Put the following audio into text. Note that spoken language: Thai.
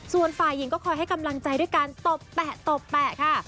ส่วนฝ่ายหญิงก็คอยให้กำลังใจด้วยการตบแปะตบแปะค่ะ